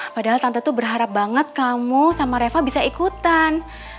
padahal tante itu berharap banget kamu sama reva bisa ikutan